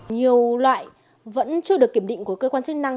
nhiều loại vẫn chưa được kiểm định của cơ quan chức năng